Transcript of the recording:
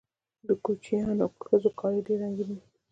د کوچیانیو ښځو کالي ډیر رنګین وي.